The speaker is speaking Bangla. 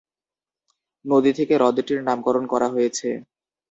নদী থেকে হ্রদটির নামকরণ করা হয়েছে।